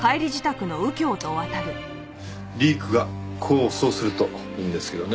リークが功を奏するといいんですけどね。